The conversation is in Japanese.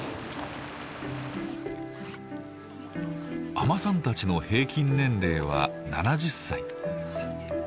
海女さんたちの平均年齢は７０歳。